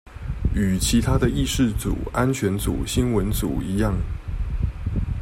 與其他的議事組安全組新聞組一樣